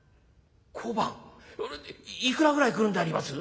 いくらぐらいくるんであります？」。